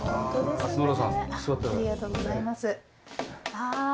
ありがとうございます。